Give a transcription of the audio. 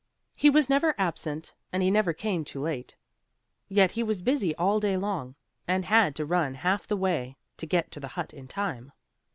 He was never absent and he never came too late. Yet he was busy all day long, and had to run half the way to get to the hut in time.